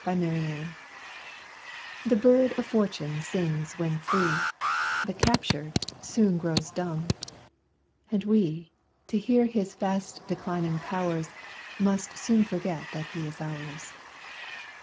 HIDDEN LOVE The bird of Fortune sings when free, But captured, soon grows dumb; and we, To hear his fast declining powers, Must soon forget that he is ours.